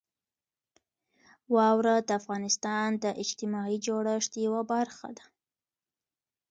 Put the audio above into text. واوره د افغانستان د اجتماعي جوړښت یوه برخه ده.